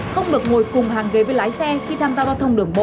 không được ngồi cùng hàng ghế với lái xe khi tham gia giao thông đường bộ